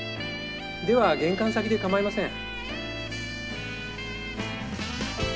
では玄関先で構いません。